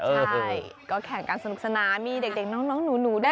ใช่ก็แข่งกันสนุกสนานมีเด็กน้องหนูได้